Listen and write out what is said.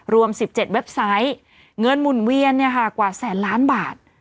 รวม๑๗เว็บไซต์เงินหมุนเวียนกว่าแสนล้านบาท